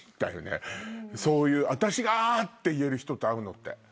そういう私があ！って言える人と会うのって。